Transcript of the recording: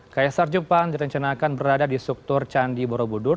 kaisar jepang direncanakan berada di struktur candi borobudur